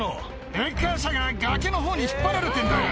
レッカー車が崖のほうに引っ張られてるんだよ。